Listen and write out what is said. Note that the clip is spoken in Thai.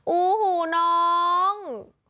โอ้โหน้อง